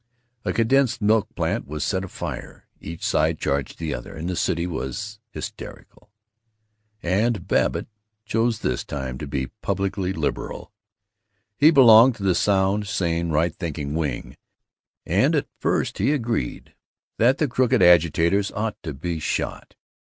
A condensed milk plant was set afire each side charged it to the other and the city was hysterical. And Babbitt chose this time to be publicly liberal. He belonged to the sound, sane, right thinking wing, and at first he agreed that the Crooked Agitators ought to be shot.